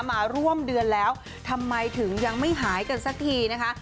มาร่วมเดือนแล้วทำไมถึงยังไม่หายกันสักทีนะคะ